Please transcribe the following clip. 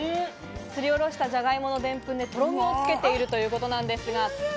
すりおろしたじゃがいものでんぷんで、とろみをつけているということです。